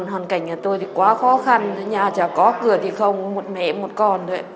hoàn cảnh nhà tôi thì quá khó khăn nhà chả có cửa thì không một mẹ một con thôi ạ